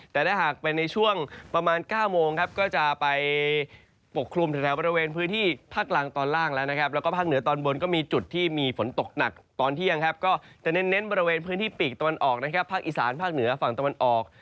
แต่ถ้าหากเป็นในช่วงประมาณ๙โมงครับก็จะไปปกคลุมแถวบริเวณพื้นที่ภาคกลางตอนล่างแล้วนะครับแล้วก็ภาคเหนือตอนบนก็มีจุดที่มีฝนตกหนักตอนเที่ยงครับก็จะเน้นบริเวณพื้นที่ปีกตะวันออกนะครับภาคอีสานภาคเหนือฝั่งตะวันออก